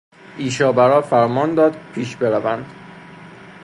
ایشابرا فرمان داد پیش بروند